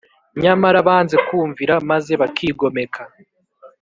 Nyamara banze kumvira maze bakigomeka